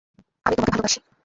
আমি তোমাকে ভালবাসি।